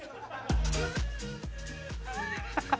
ハハハ！